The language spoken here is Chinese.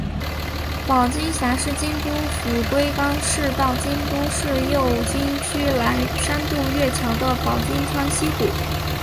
保津峡是京都府龟冈市到京都市右京区岚山渡月桥的保津川溪谷。